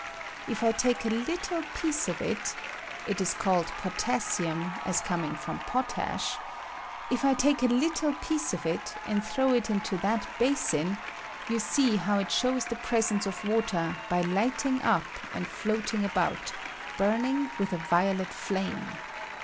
If I take a little piece of it — ^it is called potassium, as coming from potaaK — if I take a little piece of it, and throw it into tLat basin, you see how it shows the presence of water by lighting up and floating ahout, burning with a violet flame.